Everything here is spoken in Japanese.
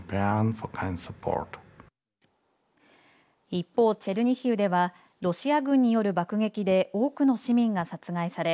一方、チェルニヒウではロシア軍による爆撃で多くの市民が殺害され